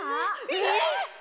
えっ！？